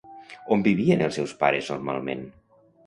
On vivien els seus pares normalment?